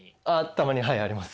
たまにはいあります。